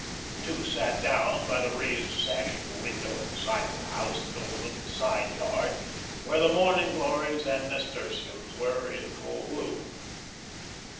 The two sat down by the raised sash of a window at the side of the house, that overlooked the "side yard," where the morning glories and nasturtiums were in full bloom.